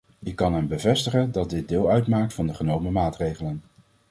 Ik kan hem bevestigen dat dit deel uitmaakt van de genomen maatregelen.